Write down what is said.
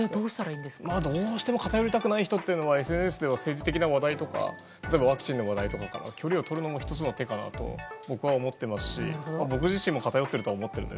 どうしても偏りたくない人はＳＮＳでは政治的な話題とかワクチンの話題からは距離をとることが１つの手かなと思っていますし僕自身も偏っているとは思うんで。